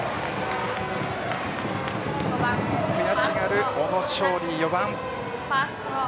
悔しがる小野勝利、４番。